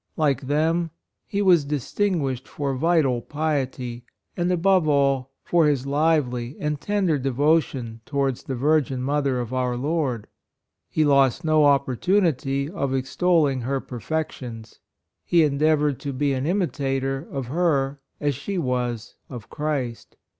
Like them was he distin guished for vital piety, and, above all, for his lively and tender devo tion towards the Virgin Mother of our Lord. He lost no opportunity of extolling her perfections. He endeavored to be an imitator of her as she was of Christ.